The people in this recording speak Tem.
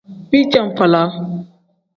Bijaavalaa.